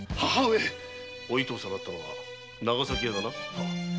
お糸をさらったのは長崎屋だな。